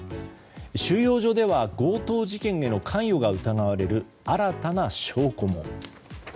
収容所では、強盗事件への関与が疑われる新たな証拠も。